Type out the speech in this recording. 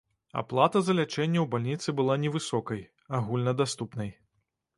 Аплата за лячэнне ў бальніцы была невысокай, агульнадаступнай.